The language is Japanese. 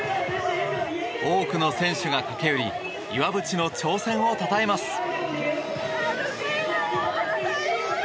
多くの選手が駆け寄り岩渕の挑戦をたたえます。